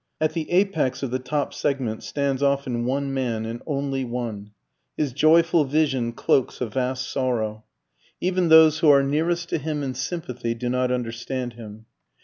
At the apex of the top segment stands often one man, and only one. His joyful vision cloaks a vast sorrow. Even those who are nearest to him in sympathy do not understand him.